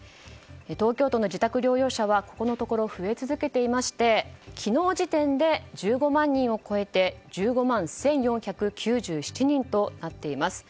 東京都の自宅療養者はここのところ増え続けていまして昨日時点で１５万人を超えて１５万１４９７人となっています。